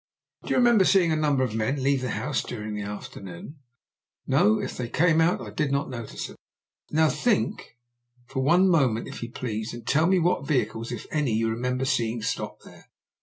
"Do you remember seeing a number of men leave the house during the afternoon?" "No. If they came out I did not notice them." "Now, think for one moment, if you please, and tell me what vehicles, if any, you remember seeing stop there."